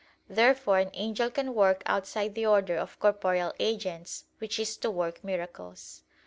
Therefore an angel can work outside the order of corporeal agents; which is to work miracles.